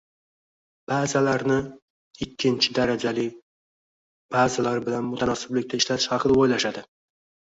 Bazalarni ikkinchi darajali bazalar bilan mutanosiblikda ishlatish haqida o’ylashadi